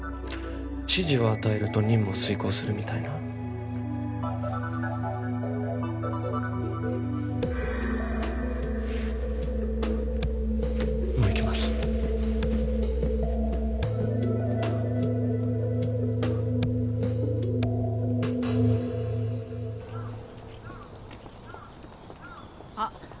指示を与えると任務を遂行するみたいなもう行きますあっ